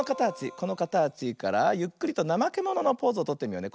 このかたちからゆっくりとなまけもののポーズをとってみようね。